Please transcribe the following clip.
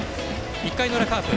１回の裏、カープ。